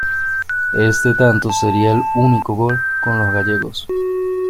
Este tanto sería el único gol con los gallegos.